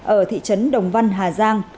ở thị trấn đồng văn hà giang